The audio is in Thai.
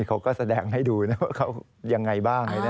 เขาก็แสดงให้ดูนะว่าเขายังไงบ้าง